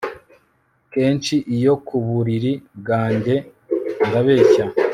Kenshi iyo ku buriri bwanjye ndabeshya